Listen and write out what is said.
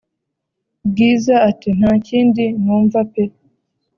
Bwiza ati"ntakindi numva pe"